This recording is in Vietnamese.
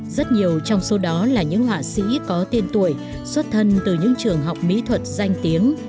rất nhiều trong số đó là những họa sĩ có tiên tuổi xuất thân từ những trường học mỹ thuật danh tiếng